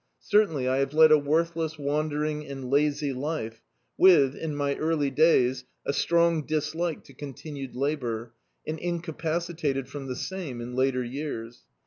Certainly I have led a worth* less, wandering and lazy life, with, in my early days, a strong dislike to continued labour, and inca pacitated from the same in later years.